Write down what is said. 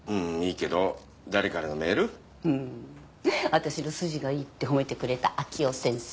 私の筋がいいって褒めてくれた明生先生。